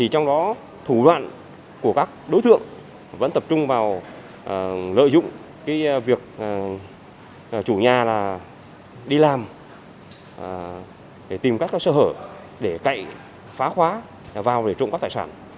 trong đó thủ đoạn của các đối tượng vẫn tập trung vào lợi dụng việc chủ nhà đi làm để tìm các sơ hở để cậy phá khóa vào để trộm cắp tài sản